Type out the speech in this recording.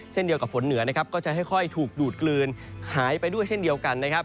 เช่นเดียวกับฝนเหนือนะครับก็จะค่อยถูกดูดกลืนหายไปด้วยเช่นเดียวกันนะครับ